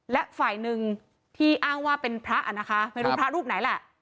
และฝ่ายหนึ่งที่อ้างว่าเป็นพระอ่ะนะคะไม่รู้พระรูปไหนแหละ